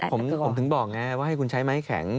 ผมถึงบอกไงว่าให้คุณใช้ไม้แข็ง